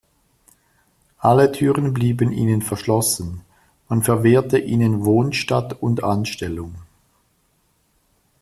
Alle Türen blieben ihnen verschlossen, man verwehrte ihnen Wohnstatt und Anstellung.